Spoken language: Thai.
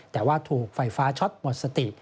แต่ว่าถูกไฟฟ้าช็อตหมดสติ